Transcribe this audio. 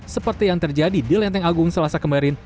seperti yang terjadi di lenteng agung selasa kemarin